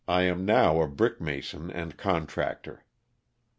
Am now a brick>mason and contractor.